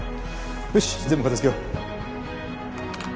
よし全部片づけよう。